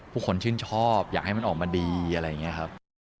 ผู้คนชื่นชอบอยากให้มันออกมาดีอะไรอย่างนี้ครับ